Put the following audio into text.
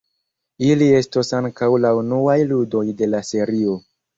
Ili estos ankaŭ la unuaj ludoj de la serio.